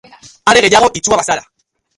Are gehiago itsua bazara.